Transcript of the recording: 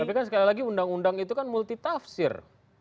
tapi kan sekali lagi undang undang itu kan multitafsir